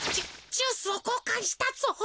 ジュースをこうかんしたぞ。